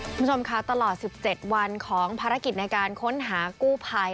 คุณผู้ชมค่ะตลอด๑๗วันของภารกิจในการค้นหากู้ภัย